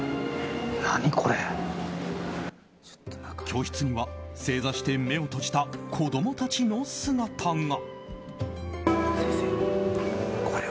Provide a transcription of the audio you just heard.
教室には正座して目を閉じた子供たちの姿が。